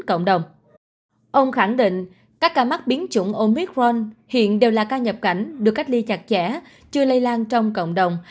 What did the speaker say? ông khẳng định các ca mắc biến chủng omic ron hiện đều là ca nhập cảnh được cách ly chặt chẽ chưa lây lan trong cộng đồng